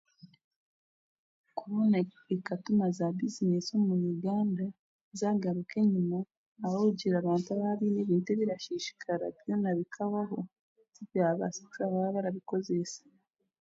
Korona ekatuma za bizinesi mu Uganda zaagaruka enyima ahabwokugira abantu abaabaine ebintu ebirasiisikara byona bikahwaho tibyabaasa tibyabaasa kushuba bya barabikozesa